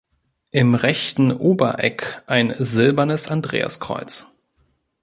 Im rechten Obereck ein silbernes Andreaskreuz.